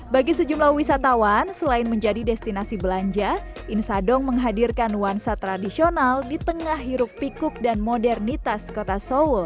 bagi sejumlah wisatawan selain menjadi destinasi belanja insadong menghadirkan nuansa tradisional di tengah hiruk pikuk dan modernitas kota seoul